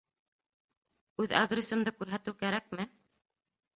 Үҙ адресымды күрһәтеү кәрәкме?